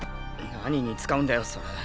何に使うんだよそれ。